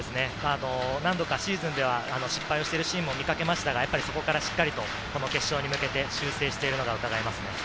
何度かシーズンでは失敗しているシーンも見かけましたが、そこからしっかりと決勝に向けて修正してきたのが伺えますね。